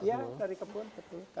iya dari kebun